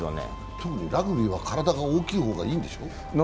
特にラグビーは体が大きい方がいいんでしょう？